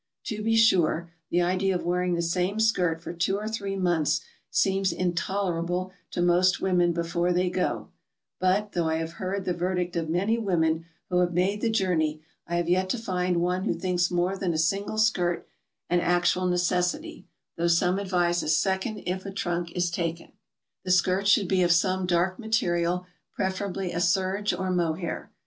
To be sure, the idea of wearing the same skirt for two or three months seems intolerable to most women before they go, but, though I have heard the verdict of many women who have made the journey, I have yet to find one who thinks more than a single skirt an actual necessity, though some advise a second if a trunk is taken. The skirt should be of some dark material, preferably a serge or mohair.